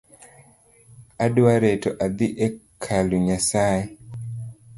Adwa reto adhii e kalu Nyasae